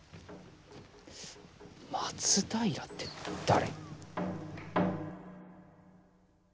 松平って誰？